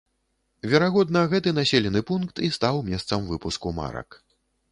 Верагодна, гэты населены пункт і стаў месцам выпуску марак.